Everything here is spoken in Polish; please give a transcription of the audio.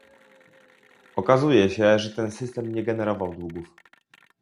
Okazuje się, że ten system nie generował długów